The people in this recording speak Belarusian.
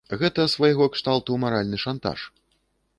Гэта свайго кшталту маральны шантаж.